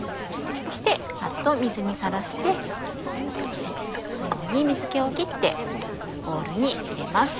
そしてサッと水にさらしてこのように水気を切ってボウルに入れます。